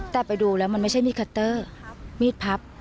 แต่ไปดูแล้วมันไม่ใช่มีดคัตเตอร์มีดพับ